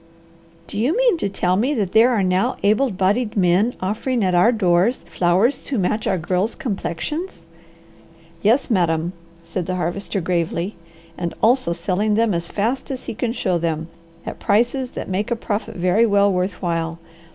Do you mean to tell me that there are now able bodied men offering at our doors, flowers to match our girls' complexions?" "Yes madam?" said the Harvester gravely, "and also selling them as fast as he can show them, at prices that make a profit very well worth while.